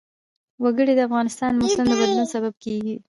وګړي د افغانستان د موسم د بدلون سبب کېږي.